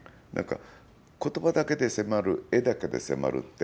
言葉だけで迫る絵だけで迫るって